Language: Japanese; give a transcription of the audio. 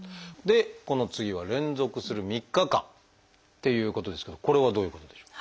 この次は「連続する３日間」っていうことですけどこれはどういうことでしょう？